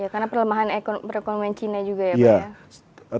karena perlemahan perekonomian cina juga ya pak